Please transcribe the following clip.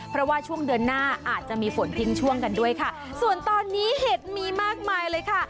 เพราะว่าช่วงเดือนหน้าอาจจะมีฝนทิ้งช่วงกันด้วยค่ะส่วนตอนนี้เห็ดมีมากมายเลยค่ะ